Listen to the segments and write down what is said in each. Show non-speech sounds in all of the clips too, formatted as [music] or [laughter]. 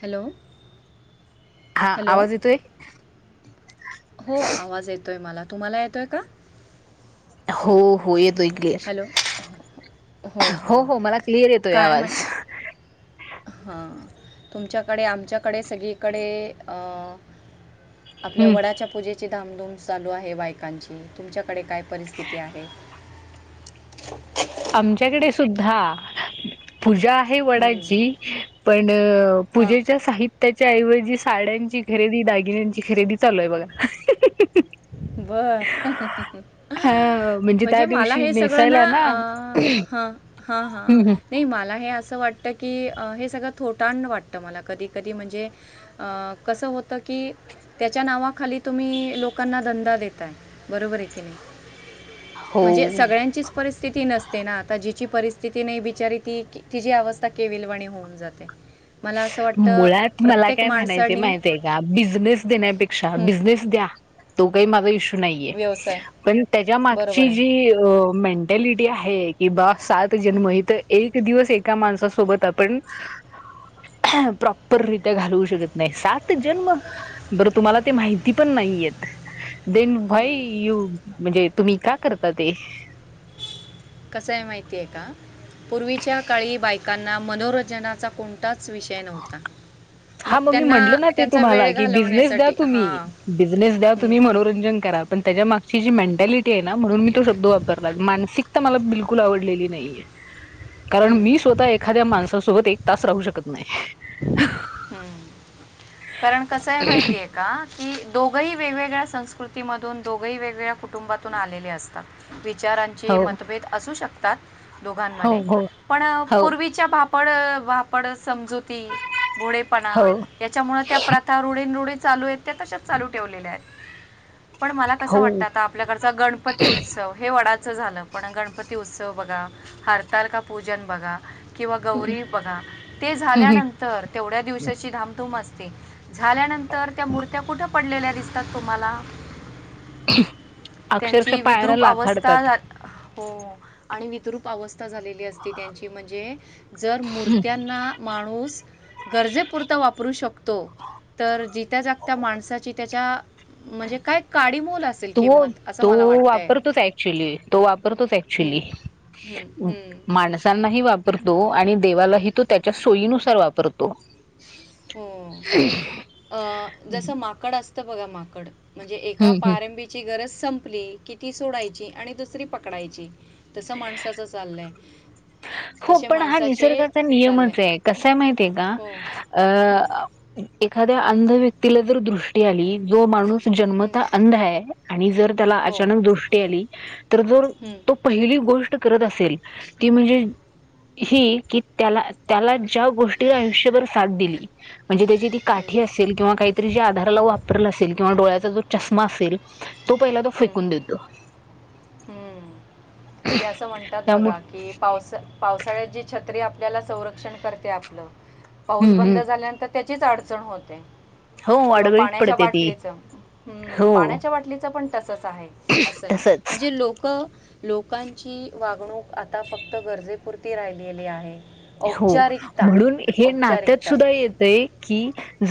Hello. हा hello, आवाज येतोय हो आवाज येतोय मला. तुम्हाला येतोय का? हो हो येतोय. हॅलो हो, हो, मला क्लिअर येतोय आवाज. हा, तुमच्याकडे आमच्याकडे सगळीकडे अ आपल्या हम्म वडाच्या पूजेचे धामधूम चालू आहे बायकांची, तुमच्याकडे काय परिस्थिती आहे. [inaudible] आमच्याकडे सुद्धा पूजा आहे हं, वडाची, पण हां पूजेच्या साहित्याच्या ऐवजी साड्यांची खरेदी, दागिन्यांची खरेदी, चालूये बघा. बर! हा त्या म्हणजे मला दिवशी हे सगळं ना नेसायला अ हम्म ह, हा, हा, हम्म. नाही मला हे अस वाटत की अं हे सगळं थोटांड वाटत मला कधी-कधी म्हणजे, अ कसं होत की की त्याच्या नावाखाली तुम्ही लोकांना धंदा देताय,, बरोबरे की नाही. म्हणजे, हो सगळ्यांचीच परिस्थिती नसते ना आता जी ची परास्थिती नही बिचारी ती तीचीजी अवस्था अ केवालवाणी होऊन जाते. मला अस मुळाऽत मला काय म्हणायचं माहतीय का बिझनेस देण्यापेक्षा हं, बिझनेस द्या. तो काही माझा इशू नाहीये, व्यवसाय. पण त्याच्या बरोबर मागची आहे. जीें मेंन टलिटी आहे कि बा सात जन्म, इथ एक दिवस एका माणसासोबत आपण प्रॉपररित्या घालवू शकत नाही, सात जन्म! बरं, तुम्हाला ते माहिती पण नाही येत. देन व्हाय हं. यू म्हणजे, तुम्ही का करता ते? ह [unintelligible] कसय माहितीय का? पूर्वीच्या काळी बायकांना मनोरंजनाचा कोण ताच विषय नव्हता. हा मग मी म्हटल त्यांना ना ते त्यांचा तुम्हाला, वेळ की बिझनेस द्या घालवण्यासाठी तुम्ही, हां बिझनेस द्या हम्म, तुम्ही, मनोरंजन करा. पण त्याच्या मागची जी मेंटॅलिटीये ना म्हणून मी तो शब्द वापरला, मानसिक ता मला बिलकुल आवडलेली नाहीयेय, कारण मी हम्म, स्वतः एखाद्या माणसासो सोबत एक तास राहू शकत नाही. हम्म. कारण कसय माहितीय का, की दोघही वेगवेगळ्या संस्कृतीमधून,, दोघही वेगवेगळ्या कुटुंबातून,, आलेले असतात, चारांचे हो मतभेद असू शकतात,, हो दोघांमध्ये, हो पणऽ हो पूर्वीच्याऽऽ ड वापड समजुती,, भोळेपणा,, हो याच्यामुळं त्या प्रथा रुढीन रुढीनऽऽ चालू आहेत त्या तशाच चालू ठेवलेल्या आहेत. पण मला हो कसं वाटतं आता आपल्याकडचा गणपती उत्सव, हे वडाचं झालं, पण गणपती उत्सवऽऽ बगा, हरतालका पूजन बघा, किंवा गौरी बघा, तेजऽऽ हम्म, ल्या हम्म. नंतर तेवढ्या दिवसाची धामधुम असते,, झाल्यानंतर त्या मूर्त्या कुठंऽऽ पडलेल्या दिसतात तुम्हाला. अक्षरशः त्यांची पायाला विद्रुप अवस्था लाथाडतात झा, हो,, आणि वितरूप अवस्था झालेली असती त्यांची म्हणजे,, जर मूर्त्यांनाऽऽ माणूस,, गरजेपुरता वापरू शकतो. तर जित्या जागत्या माणसाची त्याच्या,, म्हणजे,, काय काढऽऽ तू तो वापरतोच ऍक्च्युली,, तो वापरतोच हम्म, ऍक्च्युली,, हम्म, म हम्म. माणसांनाही वापरतो, आणि देवालाही तो त्याच्या सोयीनुसार वापरतो. हो अ जसं माकड असतं बघा माकड! म्हणजे एका हम्म हम्म पारंबीची गरज संपली कि ती सोडायची आणि दुसरी पकडायची! तस माणसाचं चाललंय. हो तसे पण हा माणसाचे निसर्गाचा चाललंय नियमच य, कसायं माहितीय काऽऽअं हो हं, अ एखाद्या अंध व्यक्तीला जर दृष्टी आली जो माणूसऽऽ जन्म हं, अंध आणि जर त्याला हो अचा दृष्टी आली तर हं, तो पहिली गोष्ट करत असेल ती म्हणजे ही की त्याला त्याला ज्या गोष्टीला आयुष्यभर साथ दिली म्हणजे त्याची ती हं, काठी असेल किंवा काहीतरी जे आधाराला हं, वापरलं असेल किंवा डोळ्याचा जो चष्मा असेल तो पहिला त फेकून देतो हम्म ते असं म्हणतात बघा त्यामुळे कि पावसा पावसा छत आपल्या संक्षण कर आप पाऊस हम्म बंद हम्म झाल्यानंत त्याचीच अडचण होते हो किंवा अडगळीत पाण्याच्या पडते ती बाटलीच हम्म हो पाण्याच्या बाटलीचं पण तसच आहे असं तसच म्हणजे लोक लोकांची वागणूक आता फक्त गरजेपुरती राहिलेली आहे हो औपचारिकता म्हणून हे नात्यात औपचारिकता सुद्धा येतय की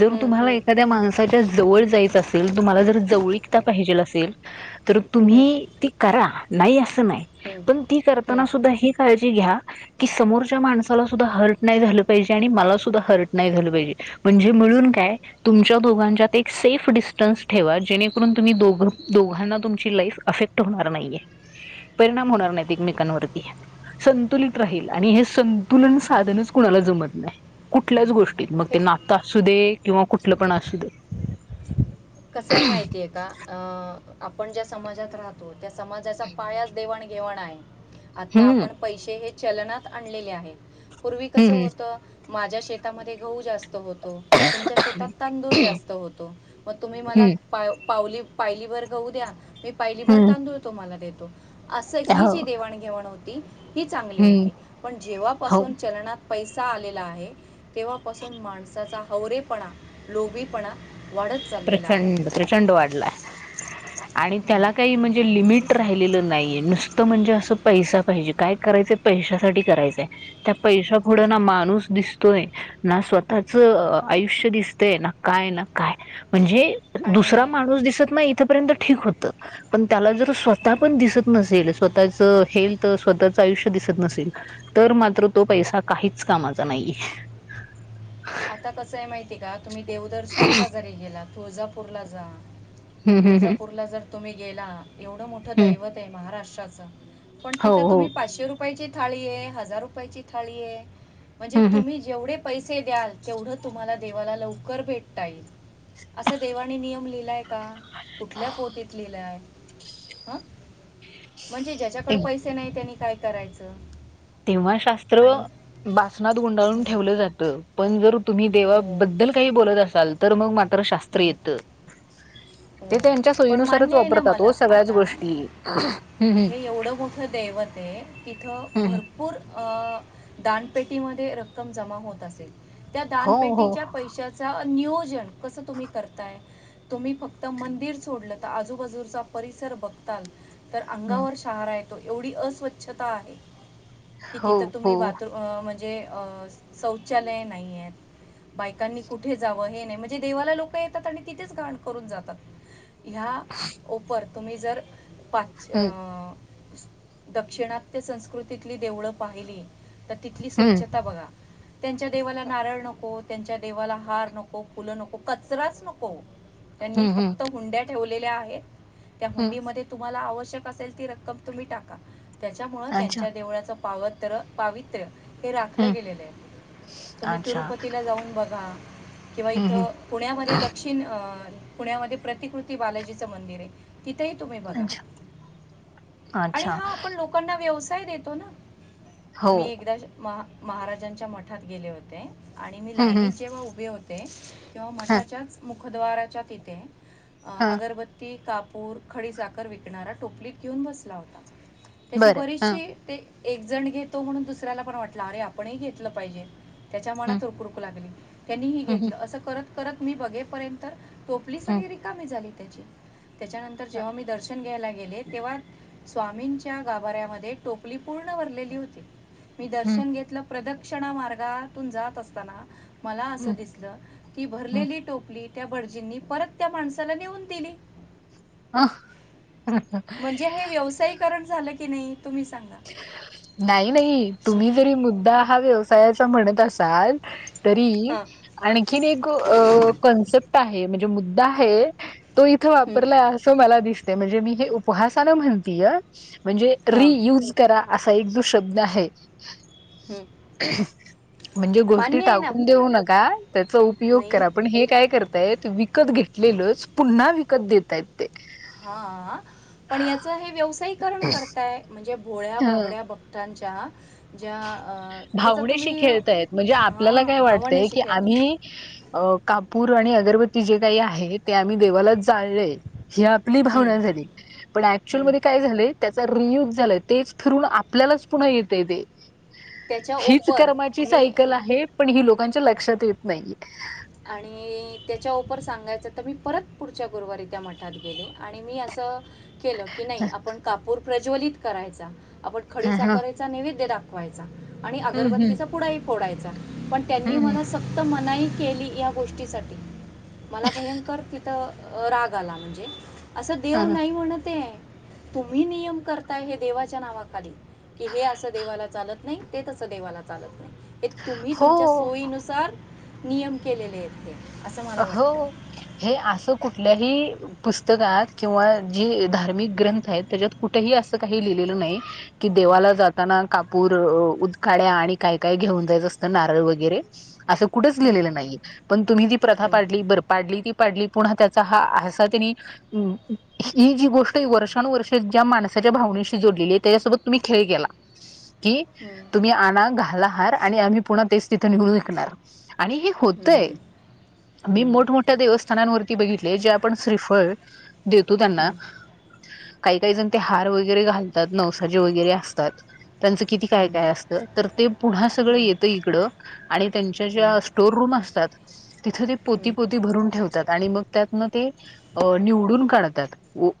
जर तुम्हाला हं, एखाद्या माणसाच्या जवळ जायचं असेल तुम्हाला जर जवळकता हं, पाहिजेल असेल तर हं, तुम्ही ती करा नाही असं नाही हं, पण ती हं. करताना सुद्धा ही काळजी घ्या की समोरच्या माणस ह नाही म ह नाही म्हण का त दोघ एक सेफ डिस्टन ठेवा जेणेकरून तुम्ही दोघांना तुमची लाईफ अफेक्ट होणार परणाम होणार नाही एकमेकांवरती संतुलित राही आणि तुलना साधनच कुणाला जमत नाही कुठल्याच गोष्टीत मग हे ते नात असू दे किंवा कुठलं पण अससूध कसं आहे माहितीय का अ आपण ज्या समाजात राहतो त्या समाजाचा पायाच देवाणघेवाण आहे आता हम्म आपण पैसे हे चलनात आणलेले आहेत पूर्वी कस हम्म होत माझ्या शेतामध्ये गहू जास्त होतो तुमच्या शेतात तांदूळ जास्त होतो मग तुम्ही मला हम्म पा पावली पायली भर गहू द्या मी पायलीभर हम्म तांदूळ तो म्हाला देतो अस हम्म ही हो जी देवाणघेवाण होती ही चांगली हम्म होती पण हो जेव्हापासून चलना पैसा आलेला आहे तेव्हापासून माणसाचा हवरवरेपणा लोभीपणा वाडत प्रचंड प्रचंड वाढला आणि हं, त्याला काही म्हणजे लिमिट रा नाही नुसत म्हणजे अस पै पाहिजे काय करायच पैशसाठी करायच पैशा फोडं ना हं. माणूस दिसतोय ना स्वतःच आयुष्य दिसतय ना काय ना काय म्हणजे दुसरा आणि माणूस दिसत नाही इथपर्यंत ठीक होत पण त्याला जर स्वतः पण दिसत नसेल स्वतःच हेल्थ स्वतःचं आयुष्य न तर मात्र तो पैसा काहीच कामाचा नाही कटखक आता कसं आहे माहितीय का तुम्ही देवदर्शनाला जरी गेला तुळजापूरला जा हम्म हम्म तुळजापूरला जर तुम्ही गेला एवढं मोठं हम्म दैवत आहे महाराष्ट्राचं पण हो तिथं हो तुम्ही पाचशे रुपयाची थाळी आहे हजार रुपयाची थाळी आहे म्हणजे हम्म तुम्ही जेवढे पैसे द्याल तेवढं तुम्हाला देवाला लवकर भेटता येईल असा देवाने नियम लिहिलाय का कुठल्या पोतीत लिहिलंय ह म्हणजे हम्म ज्याच्याकड पैसे नाही त्यांनी काय करायचं तेव्हा शास्त्र आणि बासणात गुंडाळून हं, ठेवलं जातं पण जर तुम्ही हो, देवाबद्दल काही बोलत असाल तर मग मात्र शास्त्र येतं घढघढ ते हो त्यांच्या पण सोयीनुसारच मान्य आहे ना वापरतात हो मला सगळ्याच आता गोष्टी हम्म हे एवढं मोठ दैवत ते तिथं हम्म हम्म भरपूर दानपेटीमध्ये रक्कम जमा होत असेल त्या हो हो दानपेटीच्या पैशाच नियोजन कस तुम्ही करताय तुम्ही फक्त तर मंदिर सोडलं तर आजूबाजूचा परिसर बघताल तर हम्म अंगावर शहार आहेत एवढी असवच्छता आहे कि हो तिथं हो तुम्ही बरू म्ह जे अ शौचालय नाही आहेत बायकांनी कुठे जावं हे नाही म्हणजे देवाला लोक येतात आणि तिथेच घाण करून जात ह्या उपर तुम्ही जर पाच अ हम्म दक्षिणात्य संस्कृतीतली देवळं पाहिली तिथली हम्म स्वच्छता बघा त्यांच्या देवाला नारळण त्यांच्या देवाला हार नको फुलं नको कचराच नको त्यांनी हम्म हम्म फक्त हुंड्या ठेवल्या आहेत त्या हम्म हुंडी म तुम्हाला आवश्यक असेल ती रक्कम तुम्ही टाका त्याच्यामुळं अच्छा त्यांच्या देवळाचं पावित्र पावित्र्य हे राखलं हम्म गेलेलं आहे तुम्ही अच्छा तिरुपतीला जाऊन बघा किंवा हम्म हम्म इथं पुण्यामध्ये दक्षिण अ पुण्यामध्ये प्रतिकृती बालाजीचं मंदिर आहे तिथेही तुम्ही बघा अच्छा आणि अच्छा हा आपण लोकांना व्यवसाय देतो ना हो मी एकदा म महाराजांच्या मठात गेले होते आणि मी हम्म लाईनीत हम्म जेव्हा उभे होते तेव्हा हा मठाच्याच मुखद्वाराच्या तिथे हा अगरबत्ती कापूर खडीसाख विकणारा टोपलीत घेऊन बसला होता त्याची बरं हा बरीचशी ते एक जण घेतो म्हणून दुसऱ्याला पण वाटलं अरे आपणही घेतलं पाहिजे त्याच्या हम्म मनात रुक रुकू लागली त्यांनी ह हम्म घेतलं असं करत करत मी बघेपर्यंत टोपली हम्म सगळी रिकामी झाली त्याची त्याच्यानंतर जव्हाी दर्शन घ्यायला गेले तेव्हा स्वामींच्या गाभाऱ्यामध्ये टोपली पूर्ण भरलेली होती मी हम्म दर्शन घेतलं प्रदक्षिणा मार्गातून जात असताना मला असं हम्म दिसलं की हम्म भरलेली टोपली त्या बडजींनी परत त्या माणसाला नेऊन दिली हा म्हणजे हे व्यवसायकरण झा नाही नाही सो- तुम्ही जरी मुद्दा हा व्यवसायाचा म्हणत असाल तरी हं, आणखीन एक कॉन्सेप्ट आहे म्हणजे मुद्दा आहे तो इथं हं, वापरलाय असं मला दिसते म्हणजे मी हे उपहासान म्हणतीय म्हणजे हं, रियूज करा असा एक जो शब्द आहे हं. म्हणजे गोष्टी मान्य आहे ना टाकून देऊ नका त्याचा उपयोग नाही करा पण हे काय करताय विकत घेत लो पुन्हा विकत देत आहेत हा पण याच हे व्यवसायीकरण करताय म्हणजे होोळ्या हं. बबड्या भक्तांच्या ज्या अं, त्याचा भावनेशी तुम्ही खेळताय म्हणजे आपल्याला हा काय वाटतय भावनेशी की खेळत आम्ही कापूर आणि अगरबती जे काही आहे ते आम्ही देवालाच जाळले ही आपली हं, भावना झाली पण ऍक्च्युअल हं. मध्ये काय झालं त्याचारे युज ते फिरून आपल्यालाच पुन्हा येत ते त्याच्या हीच ओपर कर्माची मी सायकल आहे पण ही लोकांच्या लक्षात येत नाहीये आणि त्याच्यार सांगायचं तर मी परत पुढच्या गुरुवारी त्या मठात गेले आणि मी अस स केलं की नाही आपण कापूर प्रज्वलित करायचा आपण हम्म खडीसाकरायचा नैवेद्या दाखवायचं आणि हम्म हम्म अगरबत्तीचा पुढाही फोडायचा पण त्यांनी हम्म मला सक्त मनाई केली या गोष्टीसाठी मला भयंकर तिथं राग आला म्हणजे असं देव ह नाही म्हणते तुम्ही नियम करताय हे देवाच्या नावाखाली कि हे असं देवाला चालत नाही ते तसं देवाला चालत नाही हे तुम्ही तुमच्या हो सोयीनुसार नियम केलेले आहेते हो हे असं कुठलं ही पुस्तकात किंवा जी धार्मिक ग्रंथ आहेत त्याच्यात कुठेही असं काही लिहिलेलं नाही कि देवाला जाताना कापूर उदकाड्या आणि काय काय घेऊन जायचं असतं नारळ वगैरे ं कुठच हम्म, लिहिलेलं नाहीय पण तुम्ही ती प्रथा हम्म, पाडली बर पाडली ती पाडली त्याचा हा असा तेनी ही गोस्ट वर्ष्यानु वर्षी ज्या माणसाच्या भावानेनी जली त्याच्यासोबत तुम्ही खेळ केला कि तुम्ही आणा घाला हार आणि आम्ही पुन्हा तेच तिथे निेऊून वीकणार आणि हे होतय हम्म, मी हम्म, मोठमोठ्या देवस्थानांवरती बघितले जे आपण श्रीफळ देतो त्यांना कटकट काही काही जण ते हार वगैरे घालतात नवसाज वगैरे असतात त्यांचं किती काय काय असतं तर ते पुन्हा सगळं हम्म, येतं इकडं आणि त्यांच्या हम्म, ज्या स्टोर रूम असतात तिथे ते पोती हम्म, पोती भरून ठेवतात आणि मग त्यातनं ते निवडून काढतात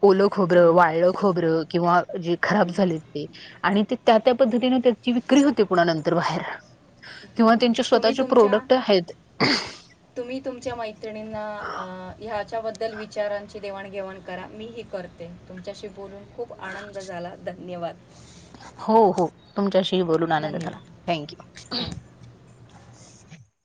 ओल खोबरं हम्म, हम्म, वायलं खोबरं किंवा जे खराब हम्म. झाले ते आणि ते त्या त्या पद्धतीने त्याची विक्री होते पुन नंतर बाहेर किंवा त्यांचे तुम्ही स्वतःचे तुमच्या प्रोडक्ट आहेत तुम्ही तुमच्या मैत्रिणींना ह्याच्याबद्दल विचारांची देवाणघेवाण करा मी ही करते तुमच्याशी बोलून खूप आनंद झाला धन्यवाद हो हो तुमच्या बोलून आनंद झाला धन्यवाद थँक यू हो